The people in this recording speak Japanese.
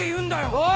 おい！